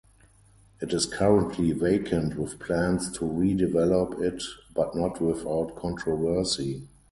It is currently vacant with plans to redevelop it but not without controversy.